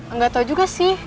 nggak tau juga sih